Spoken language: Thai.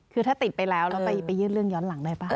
คือถ้าติดไปแล้วแล้วไปยื่นเรื่องย้อนหลังได้ป่ะ